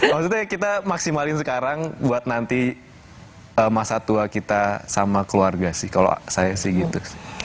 maksudnya kita maksimalin sekarang buat nanti masa tua kita sama keluarga sih kalau saya sih gitu